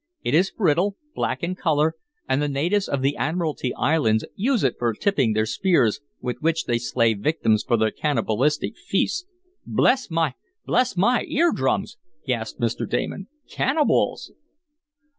"It is brittle, black in color, and the natives of the Admiralty Islands use it for tipping their spears with which they slay victims for their cannibalistic feasts." "Bless my bless my ear drums!" gasped Mr. Damon. "Cannibals!"